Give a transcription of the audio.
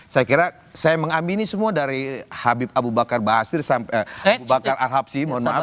saya kira saya mengamini semua dari habib abu bakar basir bakar al habsi mohon maaf